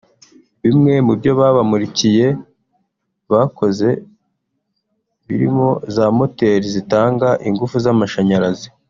Bimwe mu byo babamurikiye bakoze birimo za moteri zitanga ingufu z’amashanyarazi